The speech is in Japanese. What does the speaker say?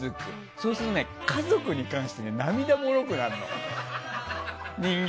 そうすると、家族に関して涙もろくなるの。